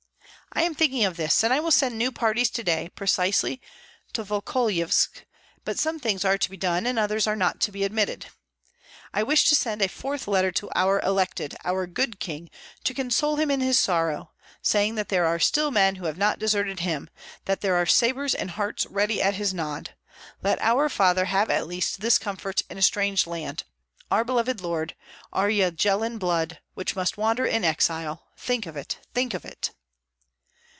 "I am thinking of this, and I will send new parties today, precisely to Volkovysk; but some things are to be done, and others are not to be omitted. I wish to send a fourth letter to our elected, our good king, to console him in his sorrow; saying that there are still men who have not deserted him, that there are sabres and hearts ready at his nod. Let our father have at least this comfort in a strange land; our beloved lord, our Yagellon blood, which must wander in exile, think of it, think of it!"